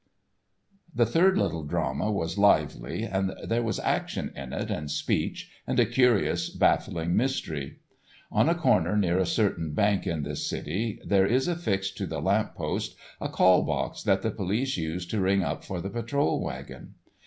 The third Little Drama was lively, and there was action in it, and speech, and a curious, baffling mystery. On a corner near a certain bank in this city there is affixed to the lamp post a call box that the police use to ring up for the patrol wagon.